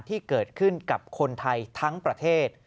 ที่เกิดขึ้นกับคนไทยทั้งประเทศ